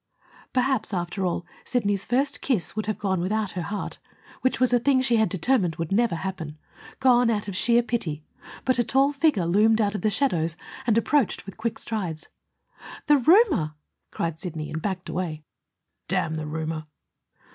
Perhaps, after all, Sidney's first kiss would have gone without her heart, which was a thing she had determined would never happen, gone out of sheer pity. But a tall figure loomed out of the shadows and approached with quick strides. "The roomer!" cried Sidney, and backed away. "Damn the roomer!"